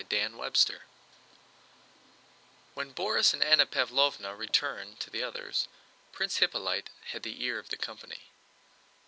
CHAPTER VII When Borís and Anna Pávlovna returned to the others Prince Hippolyte had the ear of the company.